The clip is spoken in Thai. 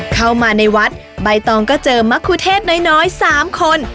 เข้ามาในวัดใบตองก็เจอมะคุเทศน้อย๓คน